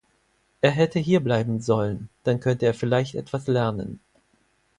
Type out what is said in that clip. Er hätte hierbleiben sollen, dann könnte er vielleicht etwas lernen.